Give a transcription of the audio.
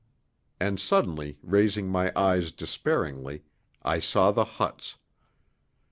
And suddenly raising my eyes despairingly, I saw the huts.